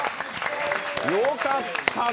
よかったね。